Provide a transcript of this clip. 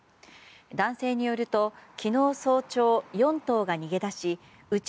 男性によると昨日早朝、４頭が逃げ出しうち